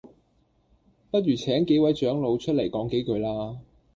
不如請幾位長老出嚟講幾句啦